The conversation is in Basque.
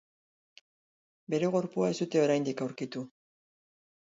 Bere gorpua ez dute oraindik aurkitu.